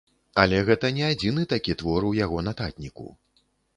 Але гэта не адзіны такі твор у яго нататніку.